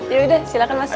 yaudah silahkan masuk